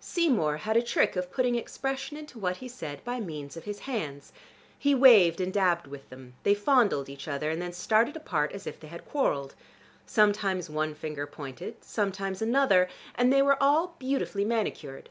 Seymour had a trick of putting expression into what he said by means of his hands. He waved and dabbed with them: they fondled each other, and then started apart as if they had quarreled. Sometimes one finger pointed, sometimes another, and they were all beautifully manicured.